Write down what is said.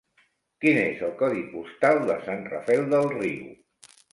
Quin és el codi postal de Sant Rafel del Riu?